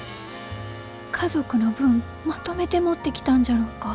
家族の分まとめて持ってきたんじゃろうか。